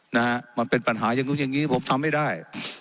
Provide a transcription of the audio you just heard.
นะฮะมันเป็นปัญหาอย่างนู้นอย่างนี้ผมทำไม่ได้